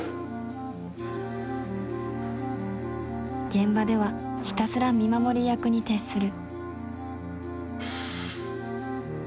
現場ではひたすら見守り役に徹する。